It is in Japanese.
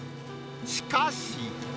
しかし。